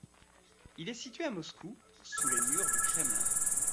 Il est situé à Moscou, sous les murs du Kremlin.